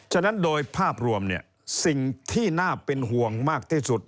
ฉะนั้นโดยภาพรวมเนี่ยสิ่งที่น่าเป็นห่วงมากที่สุด